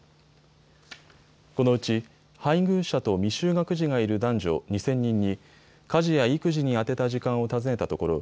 このうち配偶者と未就学児がいる男女２０００人に家事や育児にあてた時間を尋ねたところ